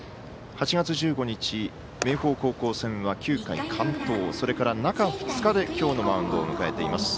８月１５日、明豊高校戦は９回完投、それから中２日で今日のマウンドを迎えています。